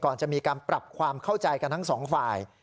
ก่อนจะมีการปรับความเข้าใจกันทั้งสองฝ่าย